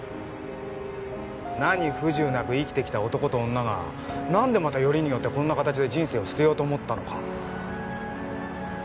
何不自由なく生きてきた男と女がなんでまたよりによってこんな形で人生を捨てようと思ったのか。